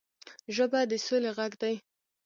ژبه د سولې غږ دی